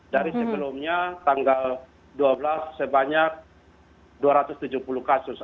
dari sebelumnya tanggal dua belas sebanyak dua ratus tujuh puluh kasus